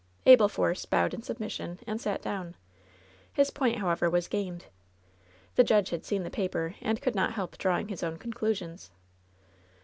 Abel Force bowed in submission and sat down. His point, however, was gained. The judge had seen the paper, and could not help drawing his own conclusions.